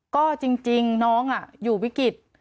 ก็จริงน้องอยู่วิกฤต